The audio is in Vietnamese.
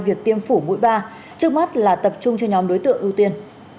việc tiêm phủ mũi ba trước mắt là tập trung cho nhóm đối tượng ưu tiên